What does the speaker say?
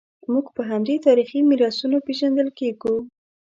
موږ په همدې تاریخي میراثونو پېژندل کېږو.